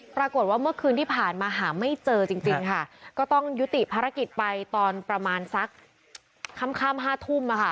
ปรากฏว่าเมื่อคืนที่ผ่านมาหาไม่เจอจริงจริงค่ะก็ต้องยุติภารกิจไปตอนประมาณสักค่ำห้าทุ่มอ่ะค่ะ